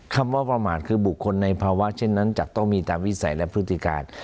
คำว่าประมาทคือบุคคลในภาวะเช่นนั้นจะต้องมีตามวิสัยและพฤติการ